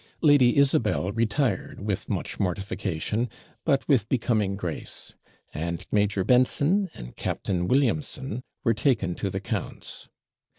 Lady Isabel retired with much mortification, but with becoming grace; and Captain Benson and Captain Williamson were taken to the count's.